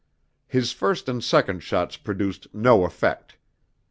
His first and second shots produced no effect.